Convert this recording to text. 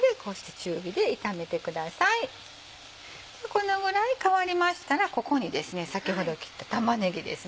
このぐらい変わりましたらここに先ほど切った玉ねぎです